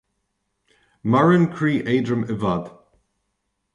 Maireann croí éadrom i bhfad